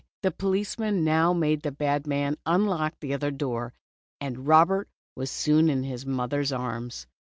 The police man now made the bad man unlock the other door, and Robert was soon in his mother's arms.